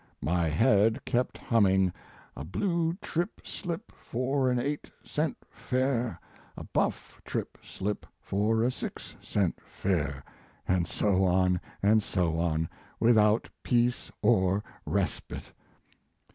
My head kept hum ming, "A blue trip slip for an eight cent fare, a buff trip slip for a six cent fare," and so on and so on, without peace or respite.